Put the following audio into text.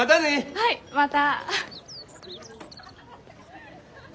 はいまた。